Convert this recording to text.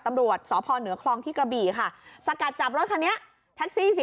ตำรวจสพเหนือคลองที่กระบี่ค่ะสกัดจับรถคันนี้แท็กซี่สิ